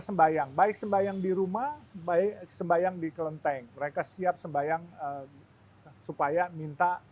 sembayang baik sembayang di rumah baik sembayang di kelenteng mereka siap sembayang supaya minta